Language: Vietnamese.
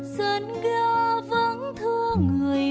dần gỡ vắng thương người